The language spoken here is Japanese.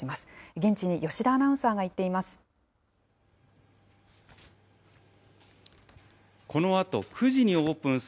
現地に吉田アナウンサーが行っています。